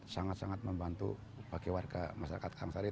sangat sangat membantu bagi warga masyarakat karangkari